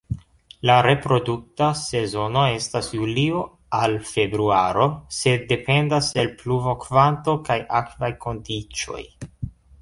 La reprodukta sezono estas julio al februaro sed dependas el pluvokvanto kaj akvaj kondiĉoj.